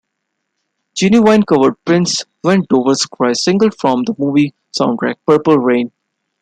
Ginuwine covered Prince's "When Doves Cry" single from the movie soundtrack "Purple Rain".